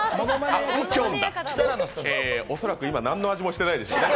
恐らく今、何の味もしてないでしょうね。